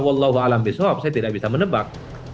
wallahualam biswab saya tidak bisa menebak